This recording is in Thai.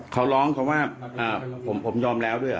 เขาร้องเขาว่าผมยอมแล้วด้วย